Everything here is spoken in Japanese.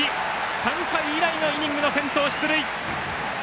３回以来のイニングの先頭出塁！